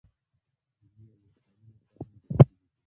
دیني او عرفاني مفاهیم ګډ شوي دي.